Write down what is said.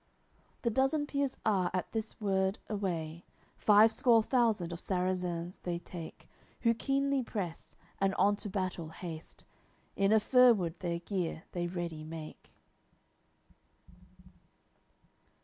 The dozen peers are, at this word, away, Five score thousand of Sarrazins they take; Who keenly press, and on to battle haste; In a fir wood their gear they ready make.